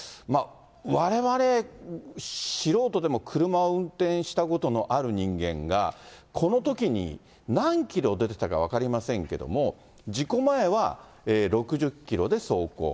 われわれ、素人でも車を運転したことのある人間が、このときに何キロ出てたか分かりませんけれども、事故前は６０キロで走行。